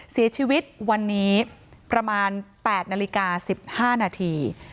เสียชีวิตวันนี้ประมาณ๘นาฬิกา๑๕นาที